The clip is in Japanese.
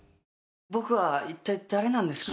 僕は一体誰なんですか？